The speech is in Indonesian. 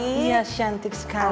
iya cantik sekali